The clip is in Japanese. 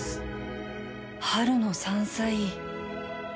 春の山菜